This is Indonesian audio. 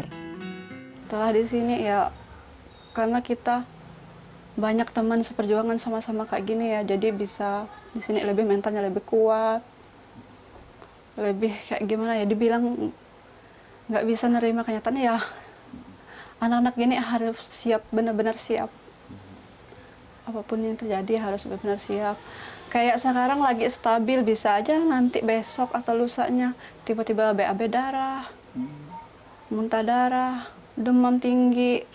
rumah singgah ini diperuntukkan bagi para bayi dan orang tua yang berasal dari luar jabodetabek